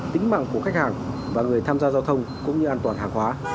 tính mạng của khách hàng và người tham gia giao thông cũng như an toàn hàng hóa